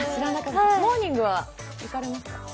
モーニングは行かれますか？